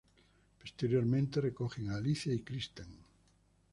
Posteriormente, recogen a Alicia y Kristen.